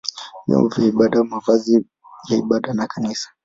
vyombo vya ibada, mavazi ya ibada na kanisa.